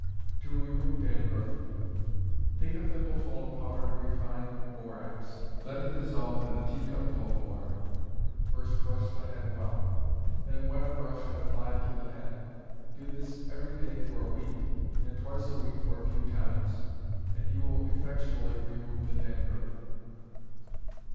To Remove Dandruff. Take a thimbleful of powdered refined borax, let it dissolve in a teacupful of water, first brush the head well, then wet a brush and apply it to the head. Do this every day for a week, and twice a week for a few times, and you will effectually remove the dandruff.